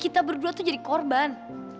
kita berdua tuh jadi korban